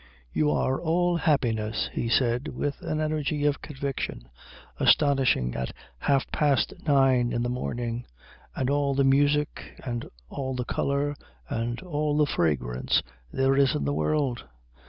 "You are all the happiness," he said, with an energy of conviction astonishing at half past nine in the morning, "and all the music, and all the colour, and all the fragrance there is in the world."